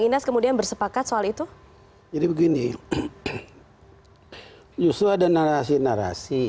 inas kemudian bersepakat soal itu jadi begini justru ada narasi narasi